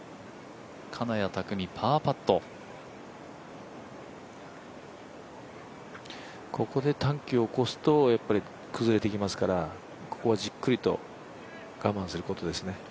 金谷拓実、パーパットここで短気を起こすと崩れてきますから、ここはじっくりと我慢することですね。